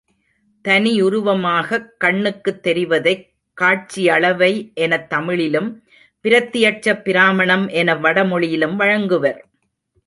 தனியுருவமாகக் கண்ணுக்குத் தெரிவதைக் காட்சியளவை எனத் தமிழிலும் பிரத்தியட்சப் பிரமாணம் என வடமொழியிலும் வழங்குவர்.